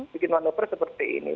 bikin manopor seperti ini